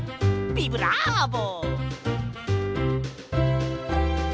ビブラーボ！